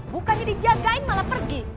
bukannya dijagain malah pergi